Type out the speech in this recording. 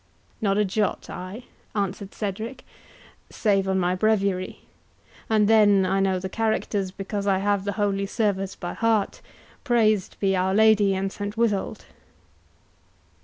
"Not a jot I," answered Cedric, "save on my breviary; and then I know the characters, because I have the holy service by heart, praised be Our Lady and St Withold!"